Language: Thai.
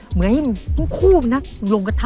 เหมือนมันก็ให้ต้องคู่นะ